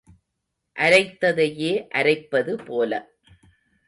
அரைத்ததையே அரைப்பது போல.